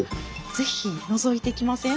是非のぞいていきません？